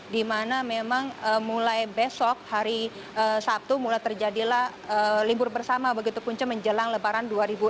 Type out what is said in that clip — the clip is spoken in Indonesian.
di mana memang mulai besok hari sabtu mulai terjadilah libur bersama begitu punca menjelang lebaran dua ribu enam belas